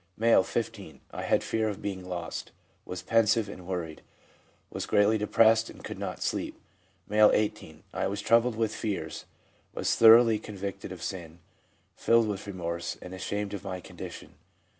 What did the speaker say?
M., 15. 'I had fear of being lost; was pensive and worried ; was greatly depressed and could not sleep.' M., 18. * I was troubled with fears, was thoroughly con victed of sin, filled with remorse, and ashamed of my condition.